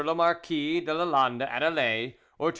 le Marquis de Lalande at Alais, or to M.